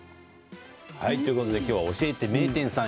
今日は「教えて名店さん！」